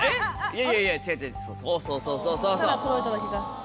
いやいやいや違う違うそうそうそうそうそう。